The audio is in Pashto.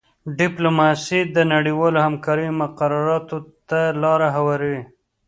ډیپلوماسي د نړیوالې همکارۍ مقرراتو ته لاره هواروي